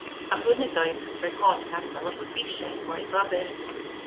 Am flynyddoedd, roedd hon yn ardal a bleidleisiai i'r Blaid Lafur.